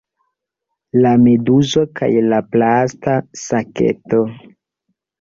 La meduzo kaj la plasta saketo